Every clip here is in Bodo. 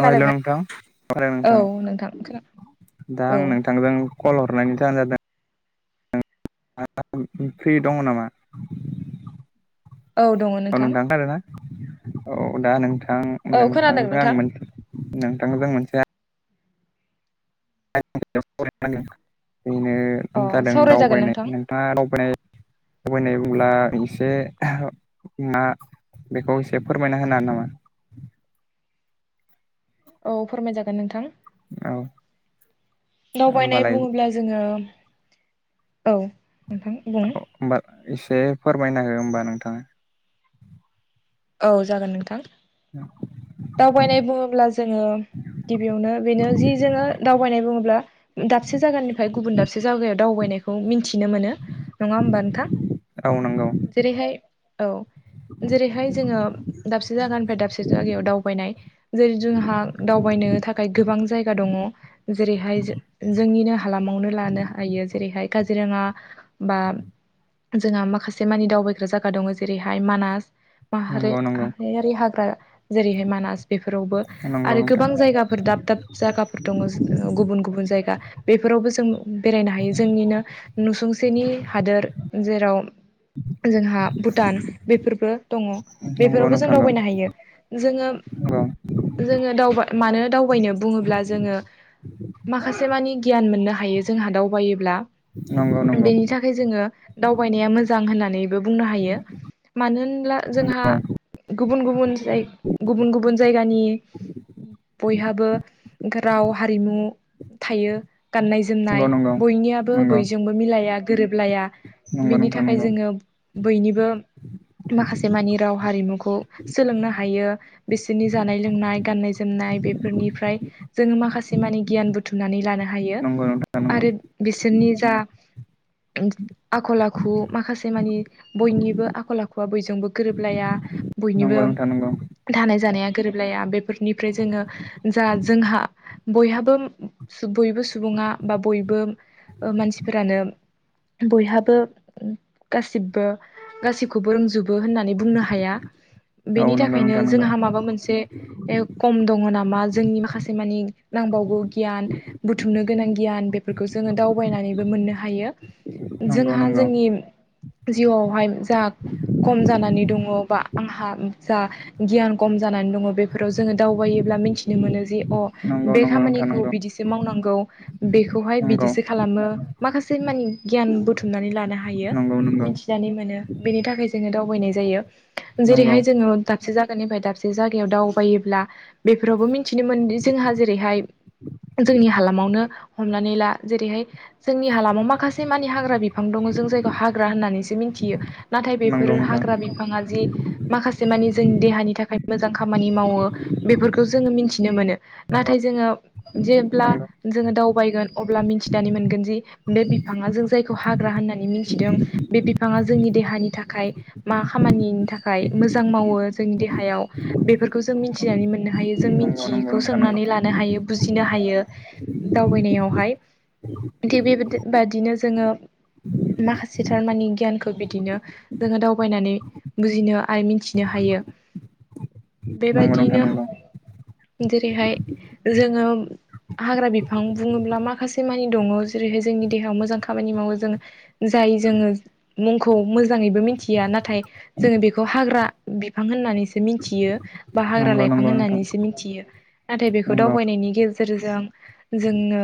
अ हेल' नोंथां [unintelligible] औ नोंथां खोना दा औ आं नोंथांजों कल हर हरनायनि जाहोना जादों [unintelligible] फ्रि दङ नामा? औ दङ औ नोंथां। खोनादोंना औ दा नोंथां औ खोनादों नोंथांजों आं नोंथां नोंथांजों मोनसे आं [unintelligible] बेनो अ जादों सावरायजागोन दावबायनाय नोंथां नोंथाङा दावबाय दावबायनाय बुब्ला एसे [inaudible] ना बेखौ एसे फोरमायना होनो हा नामा? औ फोरमायजागोन नोंथां। औ दावबायनाय होमबालाय बुङोब्ला जोङो [inaudible] औ बुं औ होनोमबा एसे फोरमायन हो होमबा नोंथा। औ जागोन नोंथां दावबायनाय बुङोब्ला जोङो। गिबियावनो बेनो जि जोङो दावबायनाय बुङोब्ला दाबसे जायगानिफ्राय गुबुन दाबसे जायगायाव दावबायनाय बेखौ मिथिनो मोनो नङा होमबा नोंथां? औ नोंगौ। जेरैहाय औ जेरैहाय जोङो दाबसे जायगानिफ्राय दाबसे जायगायाव दावबायनाय जेरै जोंहा दावबायनो थाखाय गोबां बां जायगा दङ जेरैहाय जो- जोंनिनो हालामावनो लानो हायो जेरैहाय काजिरङा। बा जोंहा माखासे मानि दावबायग्रा जायगा दङ जेरैहाय मानास। माहारि नंगौ नंगौ माहारियारि हाग्रा जेरैहाय मानास बेफोरावबो नंगौ आरो नोंथां गोबां जायगाफोर दाब दाब जायगाफोर दङ जे ओ गुबुन गुबुन जायगा। बेफोरावबो जों बेरायनो हायो जोंनिनो नुसुंसेनि हादोर जेराव जोंहा भुटान बेफोरबो दङ नंगौ बेफोरावबो जों नोंथां नंगौ दावबायनो हायो जोङो। नंगौ जोङो दावबा- मानो दावबायनो बुङोब्ला जोङो माखासे मानि गियान मोननो हायो जोंहा दावगायोब्ला नंगौ नंगौ बेनि थाखाय जोङो दावबायनाया मोज जां होननानैबो बुंनो हायो मानो होनब्ला जोंहा नंगौ गुबुन गुबुन जाय- गुबुन गुबुन जायगानि बयहाबो राव हारिमु थायो। गाननाय जोमनाय नंगौ नंगौ बयनियाबो नंगौ बयजोंबो मिलाया गोरोबलाया। नंगौ बेनि नोंथां थाखाय नंगौ जोङो बयनिबो माखास मानि राव हारिमुखौ सोलोंनो हायो बिसोरनि जानाय लोंनाय गान्नाय जोमनाय बेफोरनि। निफ्राय जों माखसे मानि गियान बुथुमनानै लानो हायो नंगौ नोंथां नंगौ आरो बि सोरनि जा उम आखल आखु माखासे मानि बयनिबो आखल आखुआ बयजोंबो गोरोबलाया बयनिबो नंगौ नोंथां नंगौ थानाय जानाया गोरोबलाया बेफोर निफ्राय जोङो जा जोंहा बयहाबो बयबो सुबुङा बा बयबो ओ मानसिफोरानो बयहाबो उम गासिबो गासिखौबो रोंजोबो होन नै बुंनो हाया। औ बेनि नंगौ थाखायनो नोंथां नंगौ जोंहा माबा मोनसे खम दङ नामा जोंनि माखासे मानि नांबावगौ गियान बुथुमनो गोनां गियान बेफोरखौ जोङो दावबायनानैबो मोननो हायो। नंगौ जोंहा नंगौ जोंनि जिउआवहाय जा खम जानानै दङ बा आंहा उम जा गियान खम जानानै दङ बेफोराव जोङो दावबायोब्ला मिन्थिनो मोनो जि अ नंगौ नंगौ बे नोंथां खामानिखौ नंगौ बिदिसो मावनांगौ। बेखौहाय बिदिसो खालामो माखासे मानि गियान बुथुमनानै लानो हायो। नंगौ नंगौ मिथिनानै मोनो बेनि थाखाय जोङो दाव बानाय जायो नंगौ जेरैहाय जोङो दाबसे जायगानिफ्राय दाबसे जायगायाव दावबायोब्ला बेफोरावबो मिथिनो मोनदि जोंहा जेरैहाय जोंनि हालामावनो। हमनानै ला जेरैहाय जोंनि हालामाव माखासे मानि हाग्रा बिफां दङ जों जायखौ हाग्रा होननानैसो मिन थियो नाथाय बेफोर हा फाङाजि माखासे मानि जोंनि देहानि थाखाय मोजां खामानि मावो बेफोरखौ जोङो मिथिनो मोनो। नाथाय जोङो जेब्ला जोङो दावबायगोन अब्ला मिथिनानै मोनगोन दि बे बिफाङा जों जायखौ हाग्रा होन होननानै मिथिदों बे बिफाङा जोंनि देहानि थाखाय मा खामानिनि थाखाय मोजां मावो जोंनि देहायाव बेफोरखौ जों मिथिनानै मोन नों हायो। जों नंगौ नंगौ मिथियिखौ नोंथां नंगौ सोंनानै लानो हायो बुजिनो हायो दावबायनायावहाय। थि बिबेदि बादिनो जोङो माखासे थारमानि गियानखौ बि दिनो जोङो दावबायनानै बुजिनो आरो मिथिनो हायो। नंगौ नंगौ नोंथां नंगौ बेबायदिनो नोंथां नंगौ जेरैहाय जोङो हाग्रा बिफां बुङोब्ला माखासे मानि दङ जेरैहाय जोंनि देहायाव मोजां खामानि मावो जोङो जाय जोङो मुंखौ मोजाङैबो मिन थिया नाथाय जोङो बेखौ हाग्रा बिफां होननानैसो मिथियो। बा नंगौ हाग्रा नंगौ नोंथां नंगौ लाइफां नंगौ होननानैसो नंगौ मिथियो। नाथाय बेखौ दावबायनायनि गेजेरजों जोङो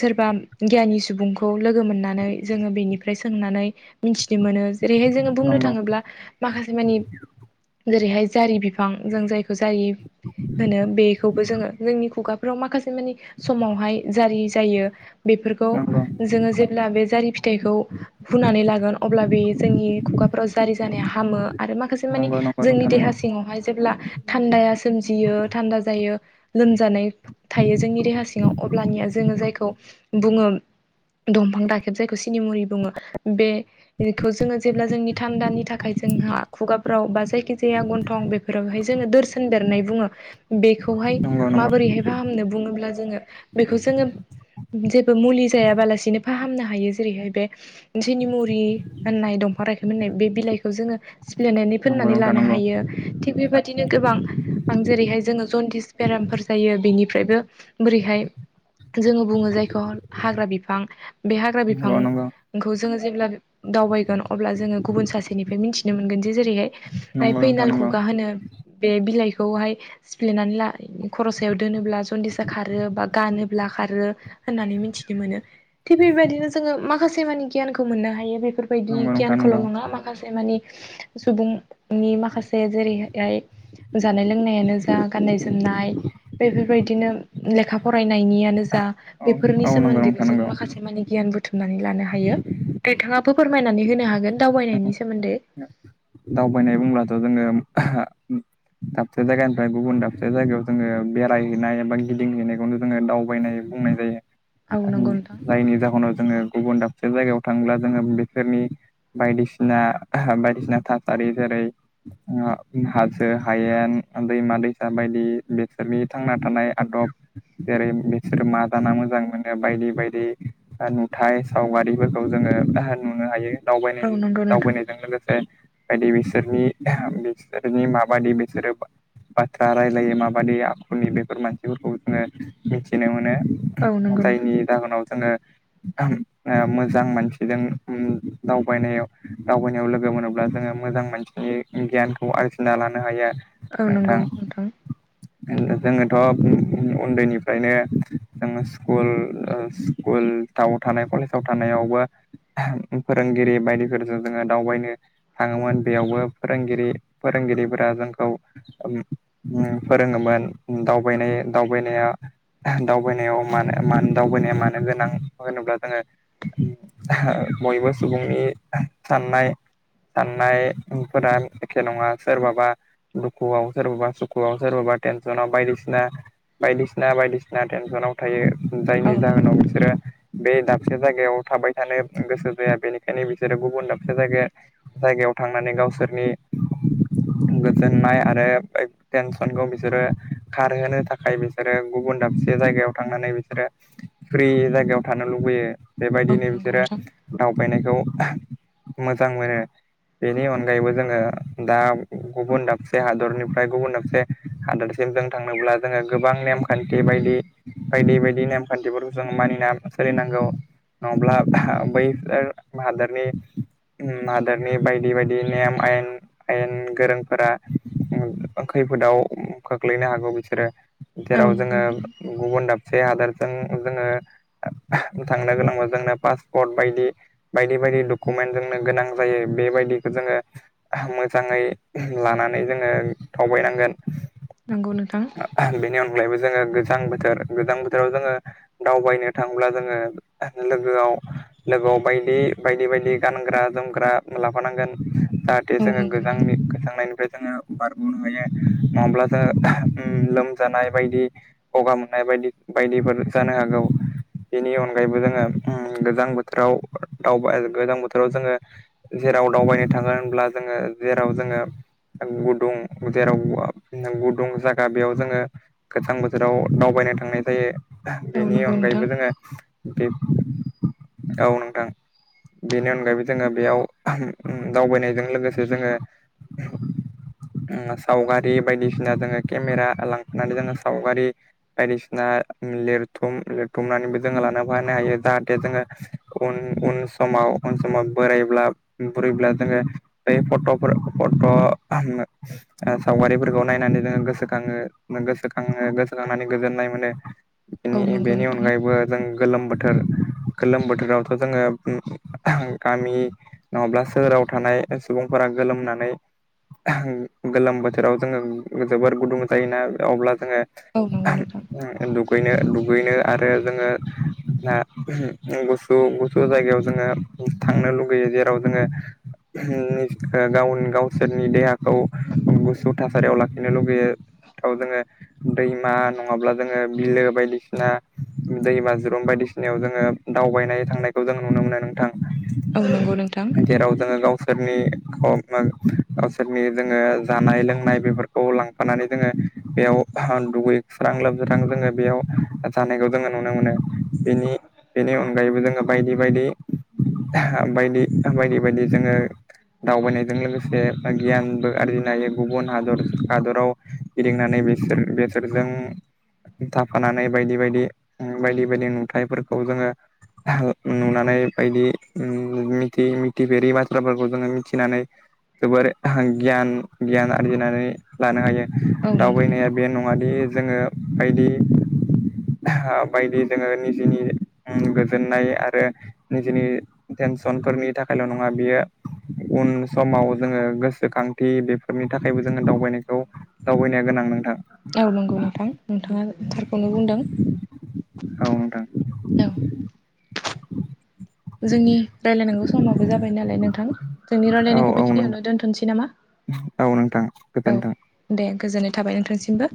सोरबा गियानि सुबुंखौ लोगो मोननानै जोङो बेनिफ्राय सोंनानै मिथिनो मोनो जे ओरैहाय जोङो बुंनो थाङोब्ला माखासे मानि जेरैहाय जारि बिफां जों जायखौ जारि होनो बेखौबो जोङो जोंनि खुगाफ्राव माखासे मानि समावहाय जारि जायो बे फोरखौ जोङो जेब्ला बे जारि फिथाइखौ फुनानै लागोन अब्ला बे जोंनि खुगा फ्राव जारि जानाया हामो आरो माखासे मानि जोंनि देहा सिङावहाय जेब्ला थान्दाया सोमजियो थान्दा जायो लोमजानाय थायो जोंनि देहा सिङाव अब्लानिया जों जायखौ बुङो दंफां दाखेब जायखौ सिनिमुरि बुङो। बेखौ जोङो जेब्ला जोंनि थान्दानि थाखाय जोंहा खुगाफ्राव बा जायखिजाया गन्थं बेफोरावहाय जोङो दोरसोन बेरनाय बुङो। बेखौहाय माबोरैहाय फाहामनो बुङोब्ला जोङो बेखौ जोङो जेबो मुलि जायाबालासिनो फाहामनो हायो जेरैहाय बे जेनि मुरि होननाय दंफां राय मोननाय बे बिलाइखौ जोङो देनानै फोननानै नंगौ नोंथां लानो नंगौ हायो थिग बेबादिनो गोबां आं जेरैहाय जोङो जन्दिस। बेरामफोर जायो बेनिफ्रायबो बोरैहाय जोंङो बुंङो जायखौ हाग्रा बिफां बे हाग्रा बिफां नंगौ नोंथां खौ जोंङो जेब्ला दावबायगोन अब्ला जोंङो गुबुन सासेनिफ्राय मिथिनो मोनगोन जे नंगौ जेरैहाय नंगौ नोंथां फैनाल नंगौ खुगा होनो बे बिलाइखौहाय सिफ्लेनानै ला खर सायाव दोनोब्ला जनदिसा खारो बा गानोब्ला खारो हैनानै मिथिनो मोनो थि बेबायदिनो जोंङो माखासे मानि गियानखौ मोननो हायो बे बेफोरबायदि नंगौ नोंथां गियानखौल नंगौ नंङा माखासे मानि सुबुंनि माखासे जेरैहाय जानाय लोंनायानो जा गाननाय जोमनाय बेफोरबायदिनो लेखा फरायनायनियानो जा औ बेफोरनि औ नंगौ सोमोन्दैबो नोंथां जों नंगौ माखासे माने गियान बुथुमनानै लानो हायो नोंथाङाबो फोरमायनानै हो नो हागोन दावबायनायनि सोमोन्दै दावबायनाय बुंब्लाथ जोंङो दाबसे जायगानिफ्राय गुबुन दाबसे जायगायाव जोंङो बेरायहैनाय एबा गिदिंहैनायखौनो जोंङो दावबायनाय बुंनाय जायो औ [unintelligible] नंगौ नोंथां जायनि जाहोनाव जोंङो गुबुन दाबसे जायगायाव थांब्ला जोंङो बेफोरनि बायदिसिना बायदिसिना था सारि जेरै हासो हायेन दैमा दैसा बायदि बिसोरनि थांना थानाय आदब जेरै बिसोर मा जाना मोजां मोनो बायदि बायदि थाय सावगारिफोरखौ जोंङो नुनो हायो दावबायनाय औ नंगौ नोंथां दावबायनायजों लोगोसे बायदि बिसोरनि बिसोरनि माबायदि बिसोरो बाथ्रा रायलायो माबायदि आखुनि बेफोर मानसिफोरखौ जोंङो मिथिनो मोनो औ [unintelligible] नंगौ नोंथां जायनि जाहोनाव जोंङो मोजां मानसिजों उम दावबायनायाव दावबायनायाव लोगो मोनोब्ला जोंङो मोजां मोनसिनि गियानखौ आरजिना लानो हायो आरो औ नंगौ नोंथां जोंङोथ उन्दैनिफ्रायनो जोंङो स्कुल स्कुलाव थानाय कलेजाव थानायाव फोरोंगिरि बायदिफोरजों जोंङो दावबायनो थांङोमोन बेयावबो फोरोंगिरि फोरोंगिरिफोरा जोंखौ फोरोंङोमोन दावबायनाय दावबायनाया मदावबायनायाव मानो गोनां मानो होनोब्ला जोंङो बयबो सुबुंनि साननाय साननायफोरा एखे नंङा सोरबाबा दुखुआव सोरबाबा सुखुआव सोरबाबा तेनस बायदि बायदिसिना बायदिसिना तेनसनाव थायो औ जायनि नंगौ जाहोनाव नोंथां बिसोरो बे दाब दाबसे जायगायाव थाबाय थानो गोसो जाया बेनिखायनो बिसोरो गुबुन दाबसे जायगाया जायगायाव थांनानै गावसोरनि गोजोननाय आरो टेनसनखौ बिसोरो खारहोनो थाखाय बिसोरो गुबुन दाबसे जायगायाव थांनानै बिसोरो फ्रि जायगायाव थानो लुबैयो औ बेबायदिनो नंगौ बिसोरो नोंथां दावबायनायखौ मोजां मोनो बेनि अनगायैबो जोंङो दा गुबुन दाबसे हादरनिफ्राय गुबुन दाबसे हादरसे थांनोब्ला जोंङो गोबां नेम खान्थि बायदि बायदि बायदि नेमखान्थिफोरखौ जों मानिनानै सोलिनांगौ नंङाब्ला बै हादोरनि हादोरनि बायदि बायदि नेम आयेन आयेन गोरोंफोरा खैफोदाव खोख्लैनो हागौ बिसोरो औ जेराव नंगौ जोंङो नोंथां गुबुन दाबसे हादोरजों जोंङो थांनो गोनां जोंनो पासपर्ट बायदि बायदि बायदि कुमेन्ट जों गोनां जायो बेबायदिखौ जोंङो मोजांङै लानानै जोंङो दावबायनानै थांगोन नंगौ नोंथां देग्लायबो जोंङो गोजां बोथोर गोजां बोथोराव जोंङो दावबायनो थांब्ला जोंङो लोगोआव लोगोआव बायदि बायदि बायदि गानग्रा जोमग्रा लाफानांगोन जाहाथे औ जोङो नंगौ गोजांनि नोंथां गोजांनायनिफ्राय जोङो बारग'नो हायो नंङाब्ला जोङो उम लोमजानाय बायदि गगा मोननाय बायदि बायदिफोर जानो हागौ। बेनि अनगायैबो जोङो उम गोजां बोथोराव दावबाय गोजां बोथोराव जोङो दाव दावबायनो थांङो होनब्ला जोङो जेराव जोङो गुदुं जेराव गुदुं जा दा बेयाव जोङो गोजां बोथोराव दावबायनो थांनाय जायो। औ बेनि नंगौ अनगायैबो नोंथां जोङो बे औ नोंथां। बेनि अनगायैबो जोङो बेयाव उम दावबायनायजों लोगोसे जोङो उम सावगारि बायदिसिना जोङो केमेरा लांफानानै जोङो सावगारि बायदिसिना लिरथुम लिरथुमनानैबो जोङो लाना फैनो हायो जाहाथे जोङो उन उन समाव उन समाव बोराइब्ला बुरैब्ला जोङो बै फट'फोर ओ फट' सावगारिफोरखौ नायनानै जोङो गोसो खांङो गोसोखाङो गोसोखांनानै गोजोननाय मोनो। औ बेनि नंगौ बेनि नोंथां अनगायैबो जों गोलोम बोथोर गोलोम बोथोरावथ' जोङो उम गामि नङाब्ला सोहोराव थानाय सुबुंफोरा गोलामनानै गोलोम बोथोराव जोंङो जोबोर गुदुं जायोना अब्ला जोङो औ नंगौ नोंथां उम दुगैनो दुगैनो आरो जोङो ना गुसु गुसु जायगायाव जोङो थांनो लुगैयो जेराव जोङो। गाव गावसोरनि देहाखौ गुसु थासारियाव लाखिनो लुगैयो। थ' जोङो दैमा नङाब्ला जोङो बिलो बायदिसिना दै बाज्रुम बायदिसिनायाव जोङो दावबायनाय थांनायखौ जों नुनो मोनो नोंथां। औ नंगौ नोंथां जेराव जोङो गावसोरनि अ नों गावसोरनि जोङो जानाय लोंनाय बेफोरखौ लां फानानै जोङो बेयाव दुगैस्रां लाोबस्रां जोङो बेयाव जानायखौ जोङो नुनो मोनो। बेनि बेनि अनगायैबो जोङो बायदि बायदि बायदि बायदि बायदि जोङो दावबायनायजों लोगोसे गियानबो आरजिनो हायो गुबुन हादर हादराव। गिदिंनानै बेसोर बेसोरजों थाफानानै बायदि बायदि उम बायदि बायदि नुथाइफोरखौ जोङो नुनानै बायदि उम मिथि मिथिफेरि बाथ्राफोरखौ जोङो मिथिनानै जोबोर गियान गियान आरजिनानै लानो हायो। औ नंगौ नोंथां दावबायनाया बे नंङा दि जोङो बायदि बायदि जोङो निजेनि गोजोननाय आरो निजेनि थेन सनफोरनि थाखायल' नंङा बियो उन समाव जोङो गोसोखांथि बेफोरनि थाखायबो जोङो दावबायनायखौ दावबायनाया गोनां नोंथां। औ नंगौ नोंथां नोंथाङा थारखौनो बुंदों। औ नोंथां। औ जोंनि रायलायनांगौ समाबो जाबाय नालाय नोंथां जोंनि औ रायजलायनायखौ औ नोंथां बेखिनियावनो दोनथ'नोसै नामा? औ नोंथां औ गोजोनथों। दे गोजोननाय थाबाय नोंथांनिसिमबो।